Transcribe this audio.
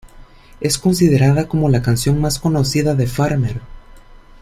Es considerada como la canción más conocida de Farmer.